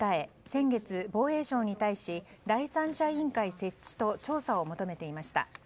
先月、防衛省に対し第三者委員会設置と調査を求めていました。